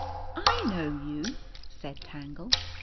"I know you," said Tangle.